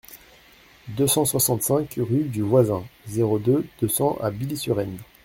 deux cent soixante-cinq rue du Voisin, zéro deux, deux cents à Billy-sur-Aisne